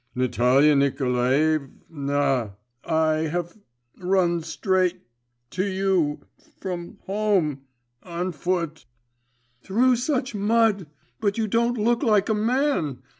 'Natalia Nikolaev … na … I have … run straight … to you … from home … on foot.…' 'Through such mud! But you don't look like a man.